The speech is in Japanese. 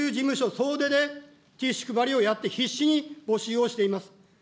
総出でティッシュ配りをやって、必死に募集をしています。